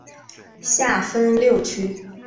下分六区。